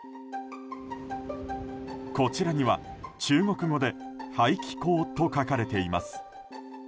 こちらには、中国語で排気口と書かれています。